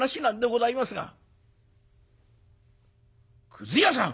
「くず屋さん！」。